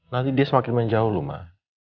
nanti dia semakin menjauh luma